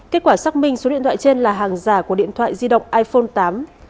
kết quả xác minh số điện thoại trên là hàng giả của điện thoại di động iphone tám